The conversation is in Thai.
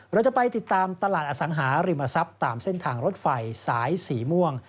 เราจะไปติดตามตลาดอสังหาริมทรัพย์ตามเส้นทางรถไฟสายสีม่วง